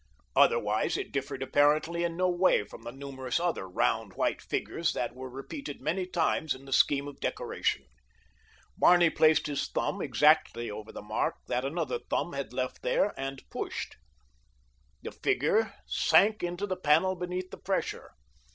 Otherwise it differed apparently in no way from the numerous other round, white figures that were repeated many times in the scheme of decoration. Barney placed his thumb exactly over the mark that another thumb had left there and pushed. The figure sank into the panel beneath the pressure.